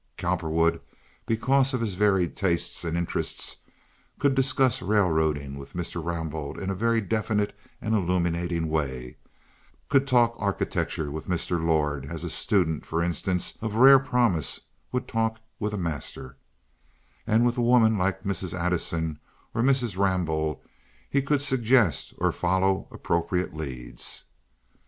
Cowperwood, because of his varied tastes and interests, could discuss railroading with Mr. Rambaud in a very definite and illuminating way; could talk architecture with Mr. Lord as a student, for instance, of rare promise would talk with a master; and with a woman like Mrs. Addison or Mrs. Rambaud he could suggest or follow appropriate leads.